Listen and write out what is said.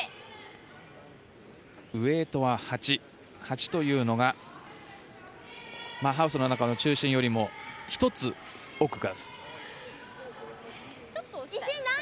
ウエイトは８。８というのがハウスの中の中心よりも１つ奥。